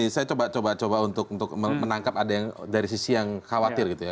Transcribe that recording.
saya coba coba untuk menangkap ada yang dari sisi yang khawatir gitu ya